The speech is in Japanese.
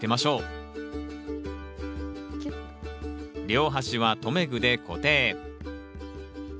両端は留め具で固定。